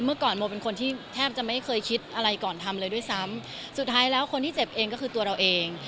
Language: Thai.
เมื่อก่อนโมเป็นคนที่แทบจะไม่เคยคิดอะไรก่อนทำเลยด้วยซ้ำสุดท้ายแล้วคนที่เจ็บเองก็คือตัวเราเอง